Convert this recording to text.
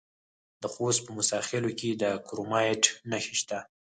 د خوست په موسی خیل کې د کرومایټ نښې شته.